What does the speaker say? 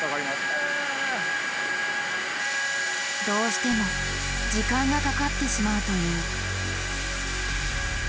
どうしても時間がかかってしまうという。